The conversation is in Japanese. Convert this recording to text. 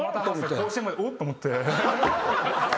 甲子園前でおっ？と思って。